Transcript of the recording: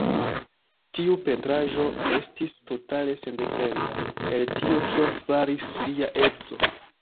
Tiu pentraĵo estis totale sendependa el tio kion faris lia edzo.